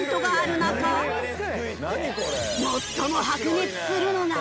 最も白熱するのが。